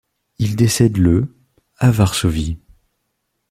Il décède le à Varsovie.